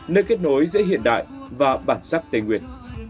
nơi kết nối giữa hiện đại và bản sắc tây nguyên